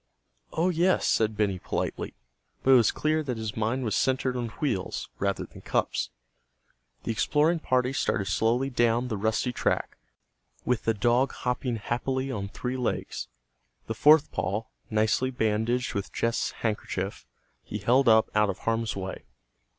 "Oh, yes," said Benny, politely. But it was clear that his mind was centered on wheels rather than cups. The exploring party started slowly down the rusty track, with the dog hopping happily on three legs. The fourth paw, nicely bandaged with Jess' handkerchief, he held up out of harm's way.